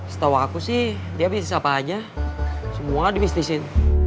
setau aku sih dia bisnis apa aja semua dimistisin